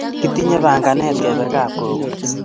Kitinye panganet kepe kap gogo